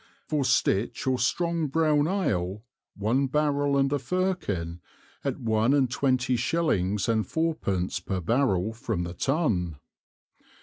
For Stitch or strong brown Ale, one Barrel and a Firkin, at one and twenty Shillings and Fourpence per Barrel from the Tun.